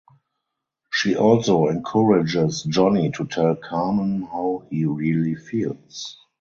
She also encourages Johnny to tell Carmen how he really feels.